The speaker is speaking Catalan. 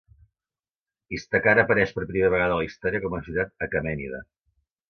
Istakhr apareix per primera vegada a la història com una ciutat aquemènida.